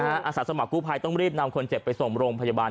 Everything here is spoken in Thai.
อาสาสมัคกู้ภัยต้องรีบนำคนเจ็บไปส่งโรงพยาบาล